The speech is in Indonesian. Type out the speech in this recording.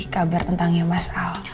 kabar tentangnya mas al